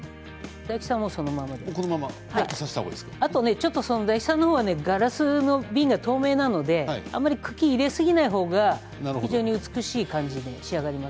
大吉さんの方はガラスの瓶が透明なのであまり茎を入れすぎない方が非常に美しい感じで仕上がります。